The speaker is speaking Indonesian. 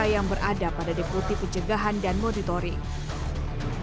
yang berada pada deputi pencegahan dan monitoring